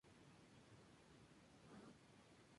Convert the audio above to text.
En el tercero, en campo de oro, un pino en su color.